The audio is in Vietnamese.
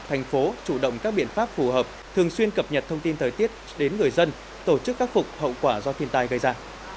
thành phố chủ động các biện pháp phù hợp thường xuyên cập nhật thông tin thời tiết đến người dân tổ chức các phục hậu quả do thiên tai gây ra